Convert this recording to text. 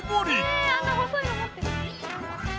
えあんな細いの持って。